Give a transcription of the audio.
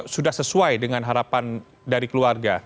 sudah sesuai dengan harapan dari keluarga